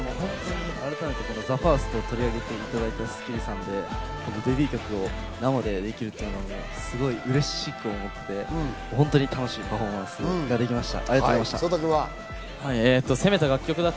ＴＨＥＦＩＲＳＴを取り上げてくださった『スッキリ』さんで生でできるというのはすごくうれしく思って、すごく楽しいパフォーマンスができました。